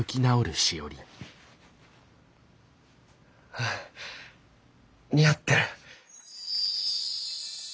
うん似合ってる。